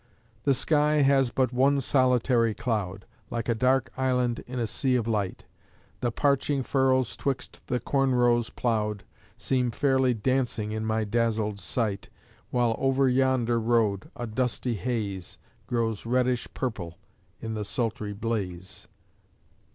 The sky has but one solitary cloud, Like a dark island in a sea of light; The parching furrows 'twixt the corn rows plough'd Seem fairly dancing in my dazzled sight, While over yonder road a dusty haze Grows reddish purple in the sultry blaze.